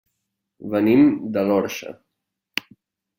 Venim de l'Orxa.